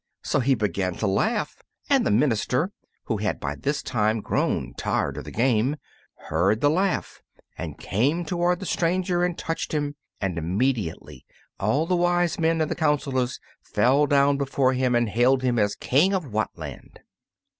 So he began to laugh, and the minister, who had by this time grown tired of the game, heard the laugh and came toward the stranger and touched him, and immediately all the wise men and the councilors fell down before him and hailed him as King of Whatland!